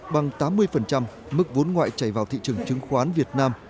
bằng tám mươi mức vốn ngoại chảy vào thị trường chứng khoán việt nam